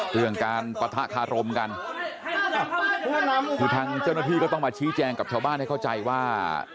เรื่องการปะทะคารมกันคือทางเจ้าหน้าที่ก็ต้องมาชี้แจงกับชาวบ้านให้เข้าใจว่า